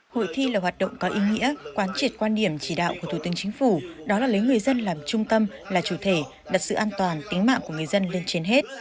hội thi là hoạt động có ý nghĩa quán triệt quan điểm chỉ đạo của thủ tướng chính phủ đó là lấy người dân làm trung tâm là chủ thể đặt sự an toàn tính mạng của người dân lên trên hết